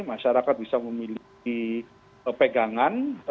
masyarakat bisa memilih pegangan